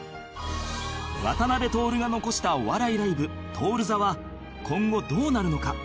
渡辺徹が残したお笑いライブ徹座は今後どうなるのか？